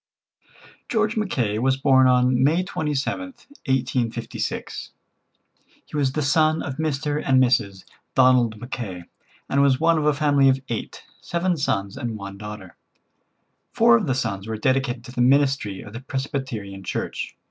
George Mackay was born on May 27th, 1856. He was the son of Mr. and Mrs. Donald Mackay, and was one of a family of eight, seven sons and one daughter. Four of the sons were dedicated to the ministry of the Presbyterian Church.